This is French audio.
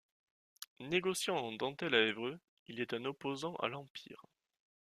Négociant en dentelles à Évreux, il est un opposant à l'Empire.